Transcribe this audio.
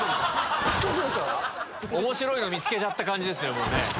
面白いの見つけちゃった感じですね。